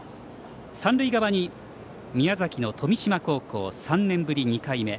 三塁側に、宮崎の富島高校３年ぶり２回目。